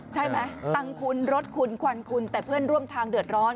ตังคุณรถคุณควันคุณแต่เพื่อนร่วมทางเดือดร้อน